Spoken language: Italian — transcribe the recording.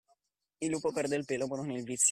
Il lupo perde il pelo ma non il vizio.